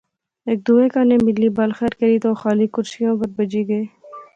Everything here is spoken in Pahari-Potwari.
ہیک دوئے کنے ملی، بل خیر کری تے او خالی کرسئِں اوپر بیجی گئے